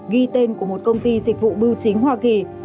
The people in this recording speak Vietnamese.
ghi tên của một công ty dịch vụ bưu chính hoa kỳ